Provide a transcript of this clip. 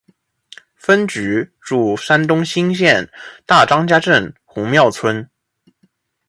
分局驻山东莘县大张家镇红庙村。